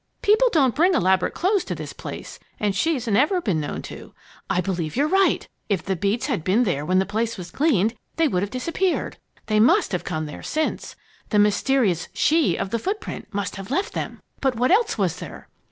People don't bring elaborate clothes to this place, and she's never been known to. I believe you're right. If the beads had been there when the place was cleaned, they would have disappeared. They must have come there since. The mysterious 'she' of the footprint must have left them! But what else was there?"